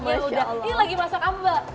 ini lagi masak apa mbak